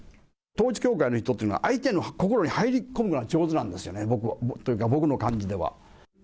統一教会の人っていうのは、相手の心に入り込むのが上手なんですよね、僕の感じでは。